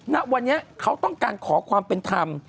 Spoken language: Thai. ณวันนี้เขาต้องการขอความเป็นธรรม